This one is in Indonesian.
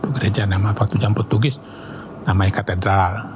gereja nama waktu jambu tugis namanya katedral